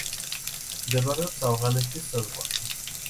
მდებარეობს ავღანეთის საზღვარზე.